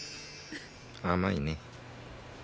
甘いね。